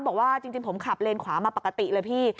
บอกว่าจริงผมขับเลนขวามาปกติเลยพี่